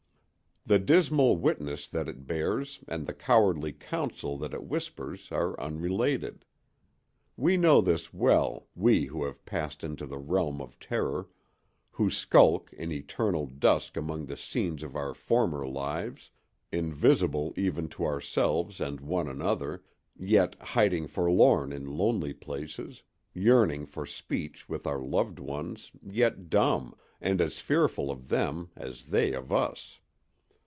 The dismal witness that it bears and the cowardly counsel that it whispers are unrelated. We know this well, we who have passed into the Realm of Terror, who skulk in eternal dusk among the scenes of our former lives, invisible even to ourselves and one another, yet hiding forlorn in lonely places; yearning for speech with our loved ones, yet dumb, and as fearful of them as they of us.